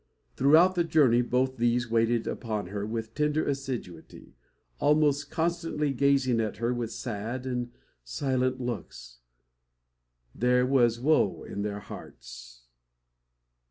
Throughout the journey both these waited upon her with tender assiduity, almost constantly gazing at her with sad and silent looks. There was woe in their hearts.